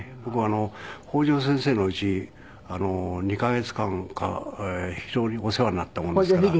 僕北條先生のうち２カ月間か非常にお世話になったものですから。